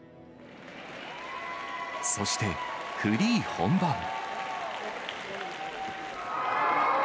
そしてフリー本番。